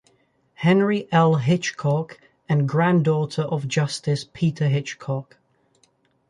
Henry L. Hitchcock and granddaughter of Justice Peter Hitchcock.